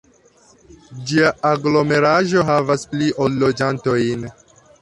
Ĝia aglomeraĵo havas pli ol loĝantojn.